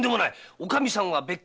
おかみさんは別格。